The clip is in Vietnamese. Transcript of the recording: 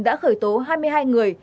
đã khởi tố hai mươi hai người